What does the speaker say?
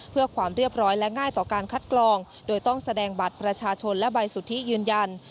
เพื่อความเรียบร้อยและง่ายต่อการคัดกรองโดยต้องแสดงบัตรประชาชนและใบสุทธิยืนยัน